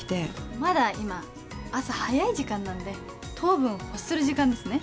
まだ今、朝早い時間なんで、糖分を欲する時間ですね。